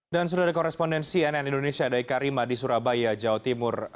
dan sudah ada korespondensi nn indonesia dari karima di surabaya jawa timur